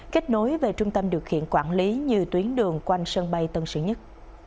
kết nối về trung tâm điều khiển quản lý như tuyến đường quanh sân bay tân sĩ nhất